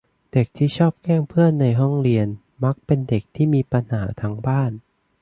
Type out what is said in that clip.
เด็กที่ชอบแกล้งเพื่อนในห้องเรียน มักเป็นเด็กที่มีปัญหาทางบ้าน